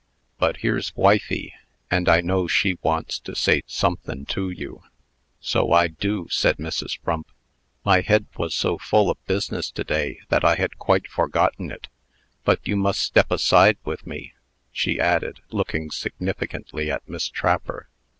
But here's wifey, and I know she wants to say somethin' to you." "So I do," said Mrs. Frump. "My head was so full of business to day, that I had quite forgotten it. But you must step aside with me," she added, looking significantly at Miss Trapper.